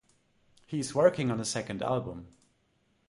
He is working on a second album.